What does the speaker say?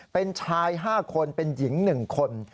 เป็นชาย๕คนเป็นหญิง๑คน